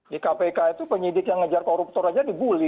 di kpk itu penyidik yang ngejar koruptor aja dibully